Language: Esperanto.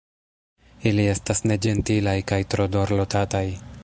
Ili estas neĝentilaj kaj tro dorlotataj.